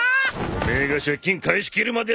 おめえが借金返し切るまでだよ！